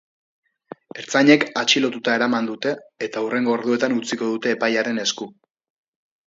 Ertzainek atxilotuta eraman dute, eta hurrengo orduetan utziko dute epailearen esku.